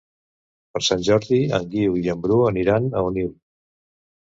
Per Sant Jordi en Guiu i en Bru aniran a Onil.